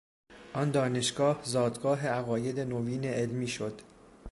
آن دانشگاه زادگاه عقاید نوین علمی شد.